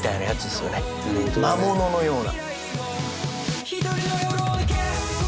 魔物のような。